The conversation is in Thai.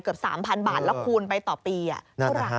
เกือบ๓๐๐๐บาทแล้วคูณไปต่อปีนั่นนะครับ